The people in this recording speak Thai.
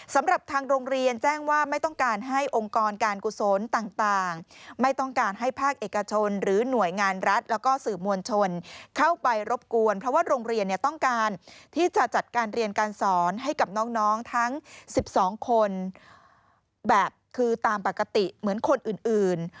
สำหรับทางโรงเรียนแจ้งว่าไม่ต้องการให้องค์กรการกุศลต่างไม่ต้องการให้ภาคเอกชนหรือหน่วยงานรัฐแล้วก็สื่อมวลชนเข้าไปรบกวนเพราะว่าโรงเรียนต้องการที่จะจัดการเรียนการสอนให้กับน้องทั้ง๑๒คนแบบคือตามปกติเหมือนคนอื่น